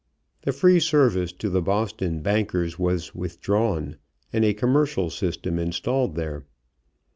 The free service to the Boston bankers was withdrawn and a commercial system installed there.